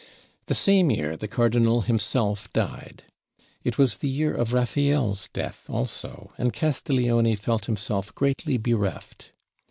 The same year the Cardinal himself died. It was the year of Raffael's death also, and Castiglione felt himself greatly bereft.